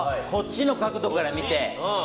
こっちの角度から見て。